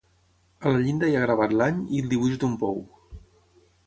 A la llinda hi ha gravat l'any i el dibuix d'un pou.